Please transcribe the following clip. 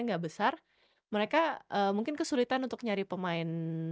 gak kesulitan untuk nyari pemain